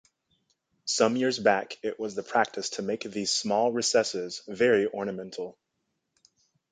Some years back it was the practice to make these small recesses very ornamental.